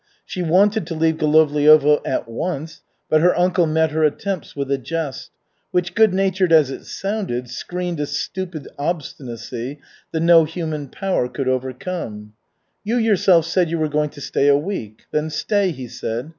She wanted to leave Golovliovo at once, but her uncle met her attempts with a jest, which, good natured as it sounded, screened a stupid obstinacy that no human power could overcome. "You yourself said you were going to stay a week. Then stay," he said.